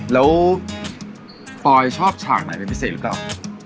แล้วปอยชอบฉากไหนเป็นพิเศษหรือเปล่า